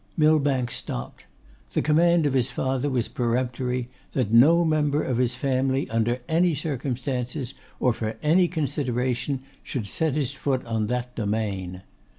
Millbank stopped. The command of his father was peremptory, that no member of his family, under any circumstances, or for any consideration, should set his foot on that domain.